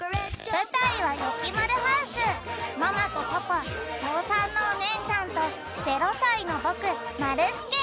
ぶたいはママとパパ小３のおねえちゃんと０さいのぼくまるすけ。